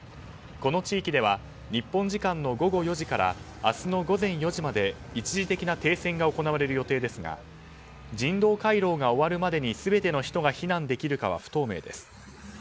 この地域では午後４時から明日の午前４時まで一時的な停戦が行われる予定ですが人道回廊が終わるまでに全ての人が避難できるかは不透明です。